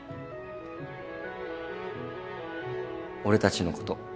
俺たちのこと。